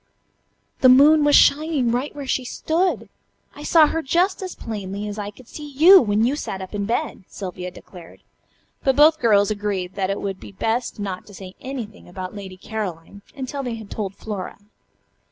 "The moon was shining right where she stood. I saw her just as plainly as I could see you when you sat up in bed," Sylvia declared. But both the girls agreed that it would be best not to say anything about "Lady Caroline" until they had told Flora.